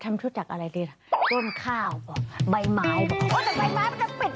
ทำชุดจากอะไรดีล่ะต้นข้าวก่อนใบไม้ก่อน